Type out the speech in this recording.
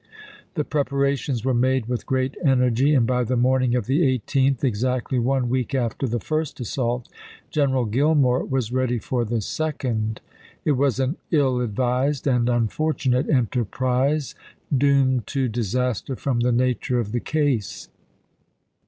The preparations were made with great energy, and by the morning of the 18th, exactly one week after the first assault, General Gillmore was ready for the second. It was an ill advised and unfortunate enterprise, doomed to dis aster from the nature of the case.